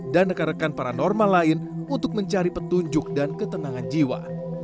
dan rekan rekan paranormal lain untuk mencari petunjuk dan ketenangan jiwa